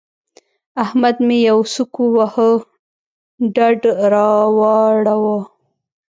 احمد مې يوه سوک وواهه؛ ډډ را واړاوو.